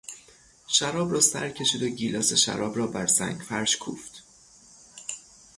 شراب را سر کشید و گیلاس شراب را بر سنگفرش کوفت.